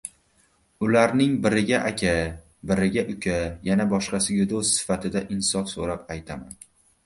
Ularning biriga aka, biriga uka, yana boshqasiga do‘st sifatida insof so‘rab aytaman…